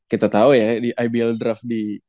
kita tahu ya di ibl draft di